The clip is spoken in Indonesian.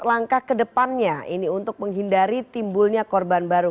langkah kedepannya ini untuk menghindari timbulnya korban baru